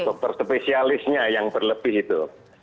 dokter spesialisnya yang berlebih itu